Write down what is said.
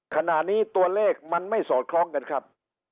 ขณะนี้ตัวเลขมันไม่สอดคล้องกันครับ